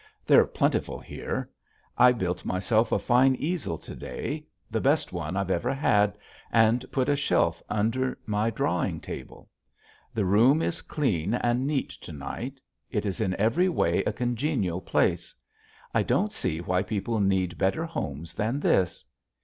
They're plentiful here. I built myself a fine easel to day, the best one I've ever had; and put a shelf under my drawing table. The room is clean and neat to night; it is in every way a congenial place. I don't see why people need better homes than this.